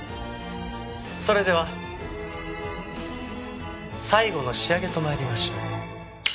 それでは最後の仕上げと参りましょう。